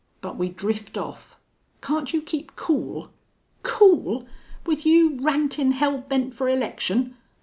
But we drift off. Can't you keep cool?" "Cool! With you rantin' hell bent for election?